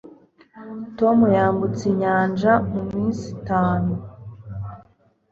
tom yambutse inyanja muminsi itanu